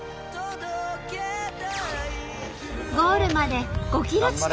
ゴールまで５ｋｍ地点。